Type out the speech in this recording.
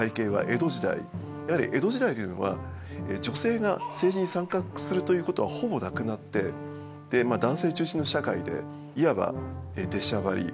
やはり江戸時代というのは女性が政治に参画するということはほぼなくなってまあ男性中心の社会でいわば出しゃばりとかですね